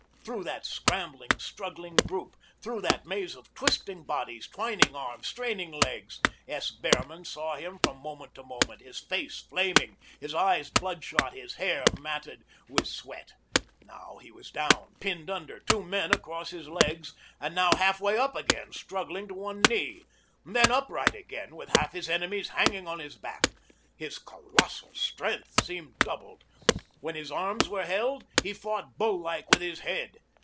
Through that scrambling, struggling group, through that maze of twisting bodies, twining arms, straining legs, S. Behrman saw him from moment to moment, his face flaming, his eyes bloodshot, his hair matted with sweat. Now he was down, pinned under, two men across his legs, and now half way up again, struggling to one knee. Then upright again, with half his enemies hanging on his back. His colossal strength seemed doubled; when his arms were held, he fought bull like with his head.